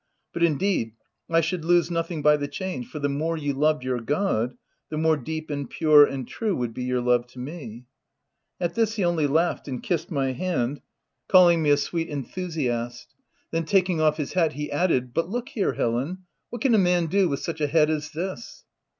But, indeed, I should lose nothing by the change, for the more you loved your God the more deep and pure and true would be your love to me." At this he only laughed, and kissed my hand, VOL. II, E 74 THE TENANT calling me a sweet enthusiast. Then taking off his hat, he added — "But look here, Helen— what can a man do with such a head as this